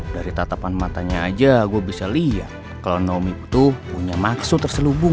dari tatapan matanya aja gue bisa liat kalo naomi tuh punya maksud terselubung